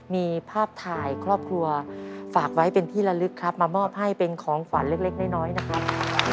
มีภาพถ่ายครอบครัวฝากไว้เป็นที่ละลึกครับมามอบให้เป็นของขวัญเล็กน้อยนะครับ